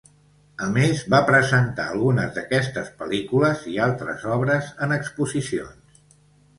A més, va presentar algunes d'aquestes pel·lícules i altres obres en exposicions.